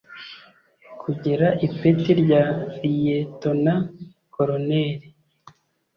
kugera ipeti rya Liyetona Koloneli